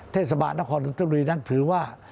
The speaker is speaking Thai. เทศบาลนครตุรีนั่งถือว่า